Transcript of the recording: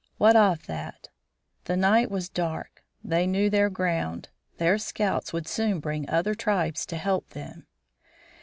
What of that! The night was dark. They knew their ground. Their scouts would soon bring other tribes to help them.